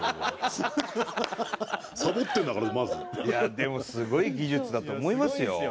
いやでもすごい技術だと思いますよ。